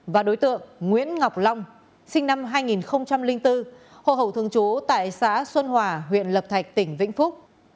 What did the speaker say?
và đối tượng nguyễn ngọc long sinh năm hai nghìn bốn hồ hậu thường chú tại xã xuân hòa huyện lập thạch tỉnh vĩnh phúc